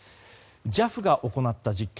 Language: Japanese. ＪＡＦが行った実験。